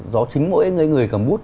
do chính mỗi người cầm bút